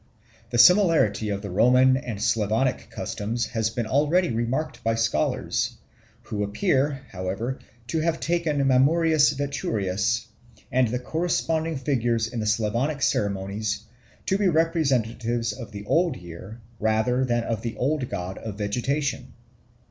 The similarity of the Roman and Slavonic customs has been already remarked by scholars, who appear, however, to have taken Mamurius Veturius and the corresponding figures in the Slavonic ceremonies to be representatives of the old year rather than of the old god of vegetation.